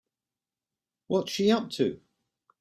What's she up to?